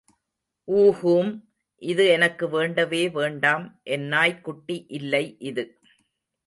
ஊஹூம், இது எனக்கு வேண்டவே வேண்டாம் என் நாய்க் குட்டி இல்லை இது.